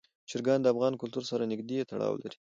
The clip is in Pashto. چرګان د افغان کلتور سره نږدې تړاو لري.